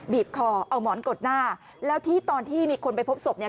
คอเอาหมอนกดหน้าแล้วที่ตอนที่มีคนไปพบศพเนี่ย